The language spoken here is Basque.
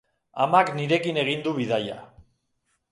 Amak nirekin egin du bidaia.